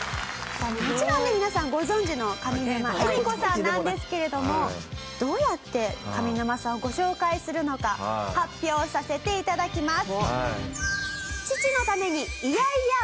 もちろんね皆さんご存じの上沼恵美子さんなんですけれどもどうやって上沼さんをご紹介するのか発表させて頂きます。